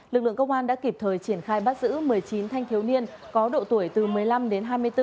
lực lượng công an đã kịp thời triển khai bắt giữ một mươi chín thanh thiếu niên có độ tuổi từ một mươi năm đến hai mươi bốn